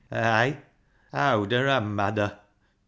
Ay ! Owder an' madder."